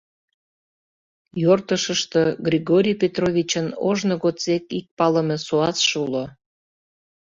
Йортышышто Григорий Петровичын ожно годсек ик палыме суасше уло.